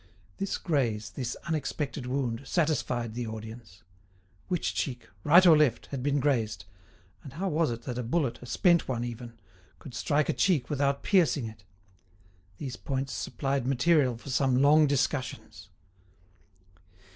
This graze, this unexpected wound, satisfied the audience. Which cheek, right or left, had been grazed, and how was it that a bullet, a spent one, even, could strike a cheek without piercing it? These points supplied material for some long discussions.